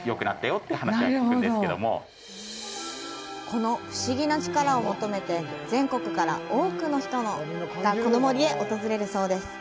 この不思議な力を求めて全国から多くの人がこの森へ訪れるそうです。